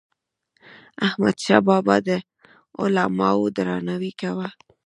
احمدشاه بابا به د علماوو درناوی کاوه.